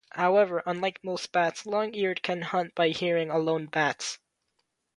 However unlike most bats Long Eared can hunt by hearing alone bats.